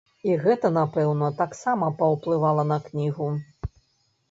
І гэта, напэўна, таксама паўплывала на кнігу.